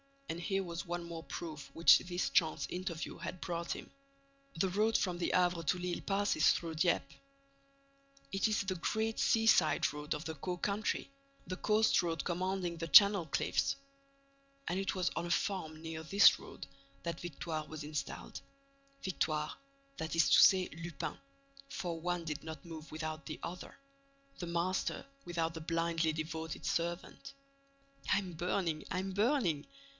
And here was one more proof which this chance interview had brought him: the road from the Havre to Lille passes through Dieppe! It is the great seaside road of the Caux country, the coast road commanding the Channel cliffs! And it was on a farm near this road that Victoire was installed, Victoire, that is to say, Lupin, for one did not move without the other, the master without the blindly devoted servant. "I'm burning! I'm burning!"